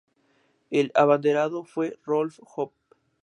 El abanderado fue Rolf Hoppe.